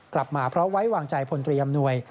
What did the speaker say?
กลับมาเพราะไว้วางใจพลตรีอำนวย